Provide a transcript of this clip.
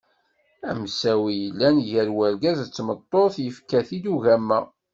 Asemsawi i yellan gar urgaz n tmeṭṭut yefka-t-id ugama.